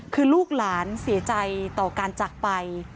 คือลูกหลานเสียใจต่อการจักรไป